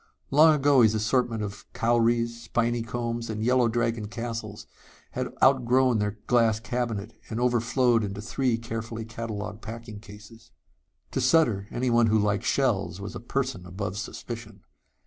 Long ago his assortment of cowries, spiny combs and yellow dragon castles had outgrown their glass cabinet and overflowed into three carefully catalogued packing cases. To Sutter, anyone who liked shells was a person above suspicion.